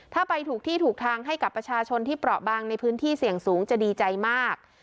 ถ้าไปถูกที่ถูกทางให้กับประชาชนที่เปราะบางในพื้นที่เสี่ยงสูงจะดีใจมาก